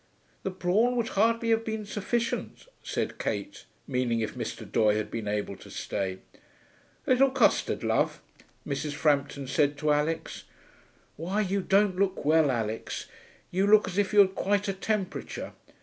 'The brawn would hardly have been sufficient,' said Kate, meaning if Mr. Doye had been able to stay. 'A little custard, love?' Mrs. Frampton said to Alix. 'Why, you don't look well, Alix. You look as if you had quite a temperature.